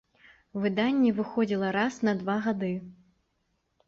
Выданне выходзіла раз на два гады.